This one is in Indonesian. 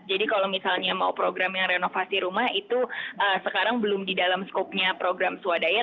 kalau misalnya mau program yang renovasi rumah itu sekarang belum di dalam skopnya program swadaya